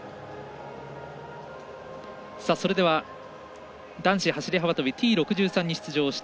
それでは、男子走り幅跳びＴ６３に出場した